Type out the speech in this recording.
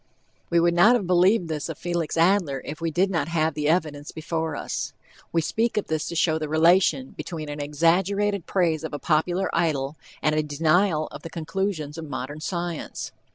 We would not have believed this of Felix Adler if we did not have the evidence before us. We speak of this to show the relation between an exaggerated praise of a popular idol, and a denial of the conclusions of modern science.